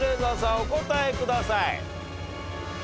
お答えください。